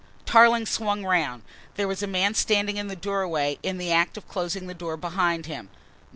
Tarling swung round. There was a man standing in the doorway, in the act of closing the door behind him.